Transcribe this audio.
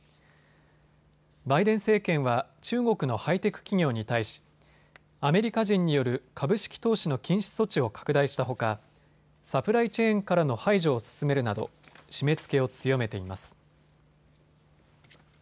バイデン政権は中国のハイテク企業に対しアメリカ人による株式投資の禁止措置を拡大したほかサプライチェーンからの排除を進めるなど締めつけを強めています。